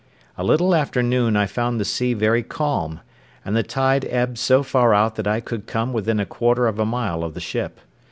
A little after noon I found the sea very calm, and the tide ebbed so far out that I could come within a quarter of a mile of the ship.